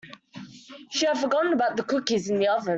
She had forgotten about the cookies in the oven.